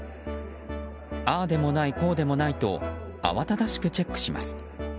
ああでもない、こうでもないと慌ただしくチェックします。